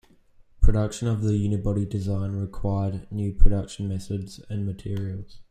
Production of the unibody design required new production methods and materials.